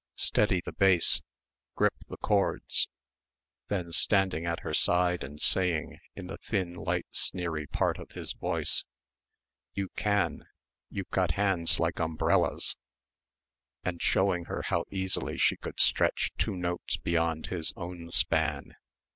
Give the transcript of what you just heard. "Steady the bass"; "grip the chords," then standing at her side and saying in the thin light sneery part of his voice, "You can ... you've got hands like umbrellas" ... and showing her how easily she could stretch two notes beyond his own span.